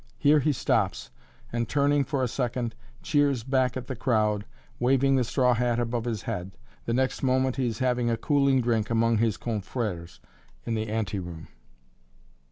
Here he stops, and, turning for a second, cheers back at the crowd, waving the straw hat above his head. The next moment he is having a cooling drink among his confrères in the anteroom.